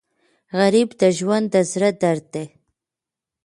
غریب د ژوند د زړه درد دی